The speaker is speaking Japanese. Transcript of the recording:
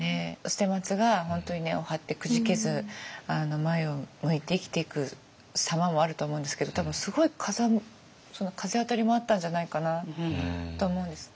捨松が本当に根を張ってくじけず前を向いて生きていく様もあると思うんですけど多分すごい風当たりもあったんじゃないかなと思うんです。